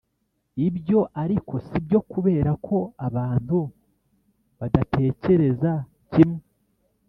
ibyo ariko si byo kubera ko abantu badatekereza kimwe